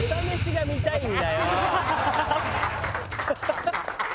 ハハハハ！